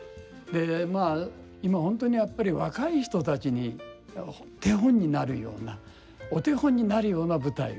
まあ今本当にやっぱり若い人たちに手本になるようなお手本になるような舞台を。